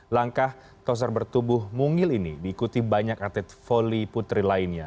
langkah toser bertubuh mungil ini diikuti banyak atlet voli putri lainnya